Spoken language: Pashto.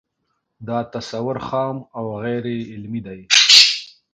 دا تصور خام او غیر علمي دی